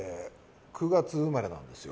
９月生まれなんですよ。